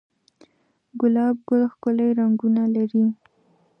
گلاب گل ښکلي رنگونه لري